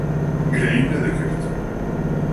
گلەییم نەدەکرد.